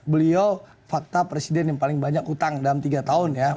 beliau fakta presiden yang paling banyak utang dalam tiga tahun ya